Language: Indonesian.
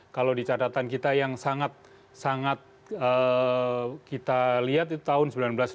kalau di catatan kita yang sangat kita lihat itu tahun seribu sembilan ratus tujuh seribu sembilan ratus sembilan